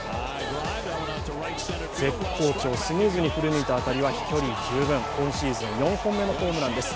絶好調、スムーズに振り抜いた当たりは飛距離十分、今シーズン４本目のホームランです